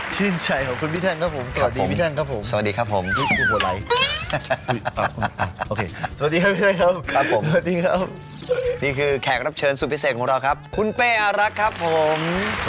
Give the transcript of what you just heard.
ชื่นใจของคุณพี่แทงครับผมสวัสดีพี่แทงครับผมสวัสดีครับผม